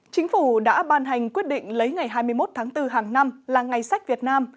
chính phủ đã ban hành quyết định lấy ngày hai mươi một tháng bốn hàng năm là ngày sách việt nam